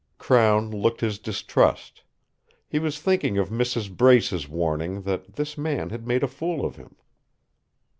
Crown looked his distrust. He was thinking of Mrs. Brace's warning that this man had made a fool of him.